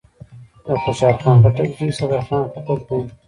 دخوشحال خان خټک زوی صدرخان خټک دﺉ.